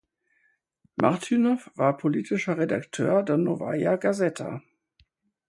Martynow war politischer Redakteur der Nowaja Gaseta.